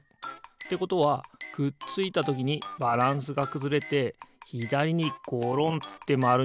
ということはくっついたときにバランスがくずれてひだりにごろんってまわるんじゃないかな？